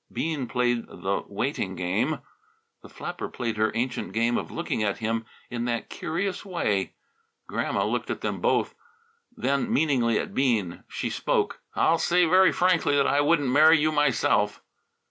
Bean played the waiting game. The flapper played her ancient game of looking at him in that curious way. Grandma looked at them both, then meaningly at Bean. She spoke. "I'll say very frankly that I wouldn't marry you myself."